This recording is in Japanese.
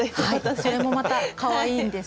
それもまたかわいいんです。